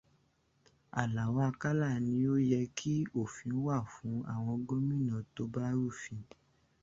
Àlàó-Akálà ní ó yẹ kí òfin wà fún àwọn gómìnà tó bá rúfin.